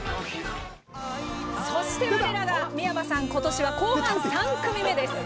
そして、我らが三山さん今年は後半３組目です。